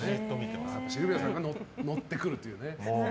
シルビアさんが乗ってくるっていうね。